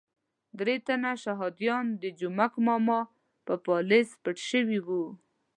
درې تنه شهادیان د جومک ماما په پالیز پټ شوي وو.